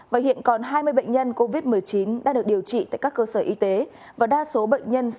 và hiện còn hai mươi bệnh nhân covid một mươi chín đang được điều trị tại các cơ sở y tế và đa số bệnh nhân